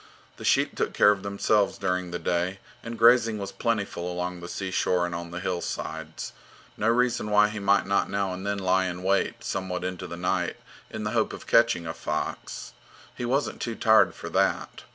The sheep took care of themselves during the day, and grazing was plentiful along the seashore and on the hillsides. No reason why he might not now and then lie in wait somewhat into the night in the hope of catching a fox; he wasn't too tired for that.